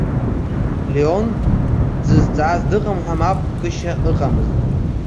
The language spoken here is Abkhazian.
Леон дзызҵааз дыҟам ҳәа мап кышьа ыҟамызт.